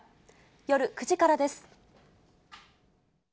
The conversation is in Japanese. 夜９時からです。